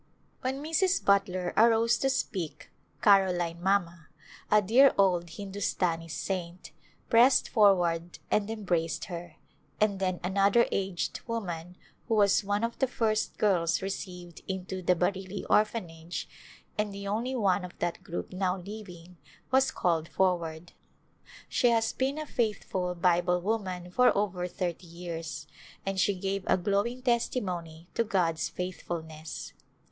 When Mrs. Butler arose to speak " Caroline Mamma," a dear old Hindustani saint, pressed for ward and embraced her, and then another aged woman, who was one of the first girls received into the Bareilly Orphanage, and the only one of that group now liv ing, was called forward. She has been a faithful Bible woman for over thirty years, and she gave a glowing testimony to God's faithfulness.